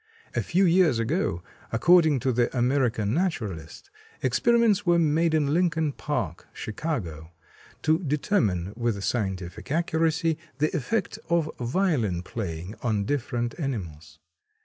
A few years ago, according to the "American Naturalist," experiments were made in Lincoln Park, Chicago, to determine with scientific accuracy the effect of violin playing on different animals.